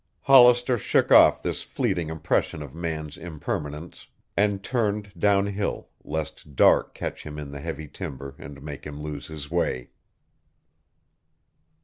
Hollister shook off this fleeting impression of man's impermanence, and turned downhill lest dark catch him in the heavy timber and make him lose his way.